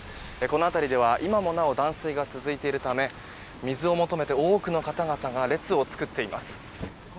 この辺りでは、今もなお断水が続いているため水を求めて多くの方々が列を作っています。